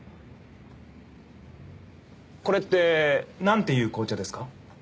これってなんていう紅茶ですか？